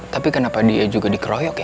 tapi kenapa dia juga dikeroyok ya